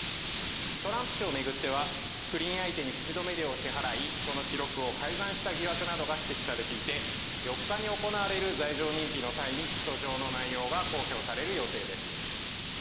トランプ氏を巡っては、不倫相手に口止め料を支払い、その記録を改ざんした疑惑などが指摘されていて、４日に行われる罪状認否の際に起訴状の内容が公表される予定です。